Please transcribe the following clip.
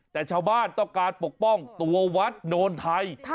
แต่ชาวบ้านต้องการปกป้องตัววัดโนนไทย